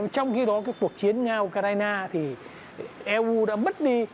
trong khi đó cuộc chiến nga ukraine thì eu đã mất đi